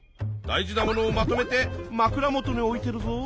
大事なものをまとめてまくら元に置いてるぞ。